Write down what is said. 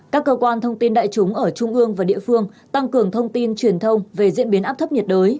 các cơ quan thông tin đại chúng ở trung ương và địa phương tăng cường thông tin truyền thông về diễn biến áp thấp nhiệt đới